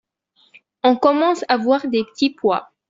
On commence à voir des petits pois.